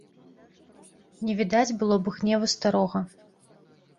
Не відаць было б гневу старога.